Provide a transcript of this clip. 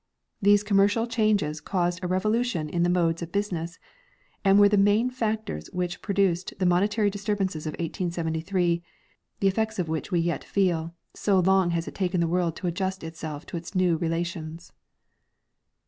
These commercial changes caused a revolution in the modes of business, and were the main factors which produced the monetary disturbances of 1873, the effects of which we yet feel, so long has it taken the world to adjust itself to its new relations.